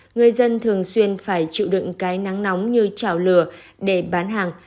người dân thường xuyên phải chịu đựng cái nắng nóng như trào lửa để bán hàng